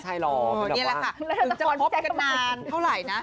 ใช่หรอเป็นแบบว่านี่แหละค่ะถึงจะพบกันนานเท่าไหร่นะ